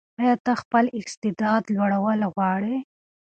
ایا ته خپل استعداد لوړول غواړې؟